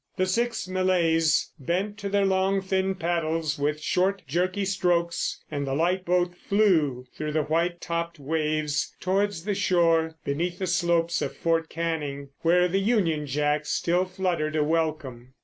The six Malays bent to their long, thin paddles with short, jerky strokes, and the light boat flew through the white topped waves towards the shore beneath the slopes of Fort Canning, where the Union Jack still fluttered a welcome.